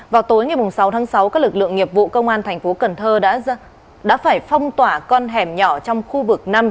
vào tối ngày sáu tháng sáu các lực lượng nghiệp vụ công an thành phố cần thơ đã phải phong tỏa con hẻm nhỏ trong khu vực năm